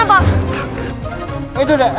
aduh si nurman